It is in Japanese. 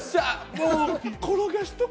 もう！